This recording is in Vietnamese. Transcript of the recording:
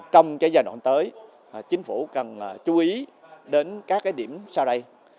trong giai đoạn tới chính phủ cần chú ý đến các điểm sau đây